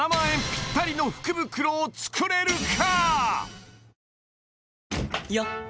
ぴったりの福袋を作れるかよっ！